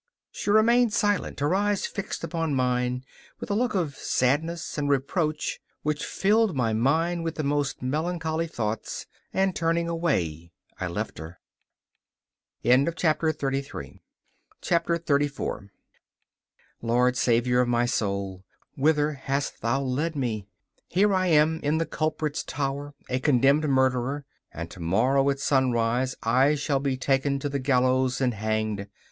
She remained silent, her eyes fixed upon mine with a look of sadness and reproach which filled my mind with the most melancholy thoughts, and, turning away, I left her. 34 Lord, Saviour of my soul, whither hast Thou led me? Here am I in the culprit's tower, a condemned murderer, and to morrow at sunrise I shall be taken to the gallows and hanged!